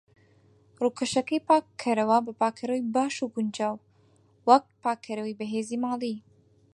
ڕوکەشەکەی پاک بکەرەوە بە پاکەرەوەی باش و گونجاو، وەک پاکەرەوەی بەهێزی ماڵی.